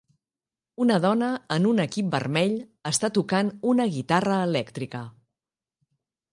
Una dona en un equip vermell està tocant una guitarra elèctrica